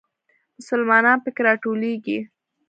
مسلمانان په کې راټولېږي.